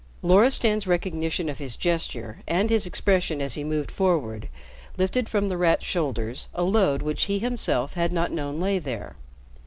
Loristan's recognition of his gesture and his expression as he moved forward lifted from The Rat's shoulders a load which he himself had not known lay there.